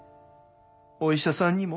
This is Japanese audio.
お医者さんにも？